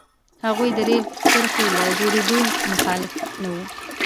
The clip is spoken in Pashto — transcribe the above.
هغوی د رېل کرښې له جوړېدو مخالف نه وو.